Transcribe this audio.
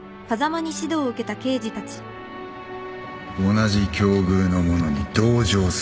同じ境遇の者に同情する